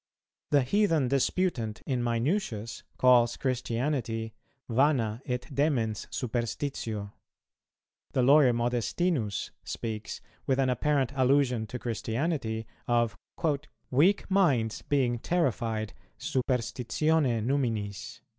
The heathen disputant in Minucius calls Christianity, "Vana et demens superstitio." The lawyer Modestinus speaks, with an apparent allusion to Christianity, of "weak minds being terrified superstitione numinis."